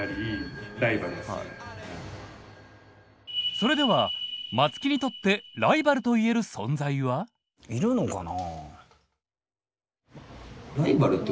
それでは松木にとってライバルといえる存在は？いるのかな？